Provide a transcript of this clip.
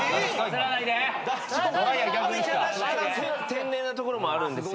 天然なところもあるんですよ。